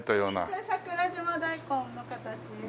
それ桜島大根の形です。